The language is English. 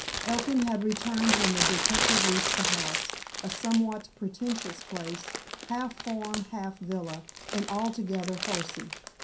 Elkin had returned when the detective reached the house, a somewhat pretentious place, half farm, half villa, and altogether horsey.